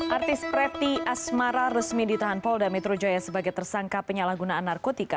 artis preti asmara resmi ditahan polda metro jaya sebagai tersangka penyalahgunaan narkotika